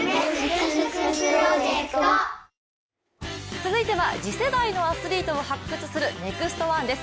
続いては次世代のアスリートを発掘する「ＮＥＸＴ☆１」です。